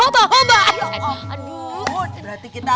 aduh berarti kita lagi nangkep babi hitam ya